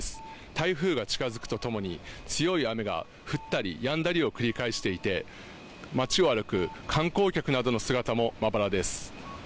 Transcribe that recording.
台風が近づくとともに強い雨が降ったりやんだりを繰り返していて街を歩く観光客などの姿もまばらです。